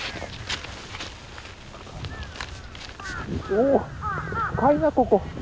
おおっ深いなここ。